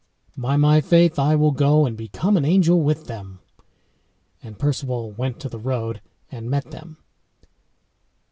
"By my faith, I will go and become an angel with them." And Perceval went to the road and met them.